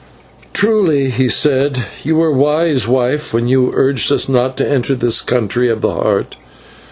"Truly," he said, "you were wise, wife, when you urged us not to enter this Country of the Heart.